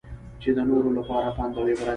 چې د نورو لپاره پند اوعبرت شي.